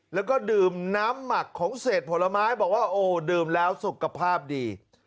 แล้วก็ดื่มน้ำหมักของเศษผลไม้บอกว่าโอ้ดื่มแล้วสุขภาพดี